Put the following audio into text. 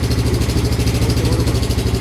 জিন, মইটা বড় কর।